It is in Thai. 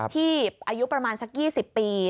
ที่อายุประมาณสัก๒๐ปี